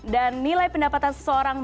dan nilai pendapatan seseorang